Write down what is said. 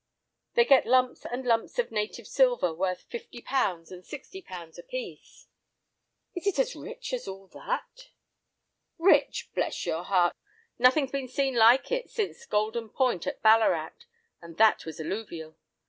They get lumps and lumps of 'native silver' worth £50 and £60 apiece." "Is it as rich as all that?" "Rich! bless your heart, nothing's been seen like it since Golden Point at Ballarat, and that was alluvial.